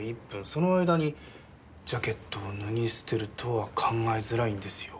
その間にジャケットを脱ぎ捨てるとは考えづらいんですよ。